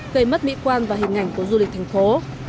gây mất mỹ quan và hình ảnh của du lịch thành phố